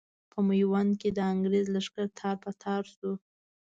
په ميوند کې د انګرېز لښکر تار په تار شو.